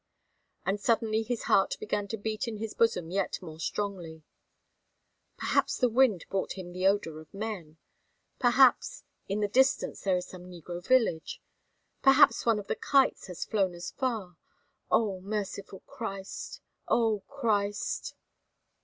And suddenly his heart began to beat in his bosom yet more strongly. "Perhaps the wind brought him the odor of men? Perhaps in the distance there is some negro village? Perhaps one of the kites has flown as far Oh, merciful Christ! Oh, Christ!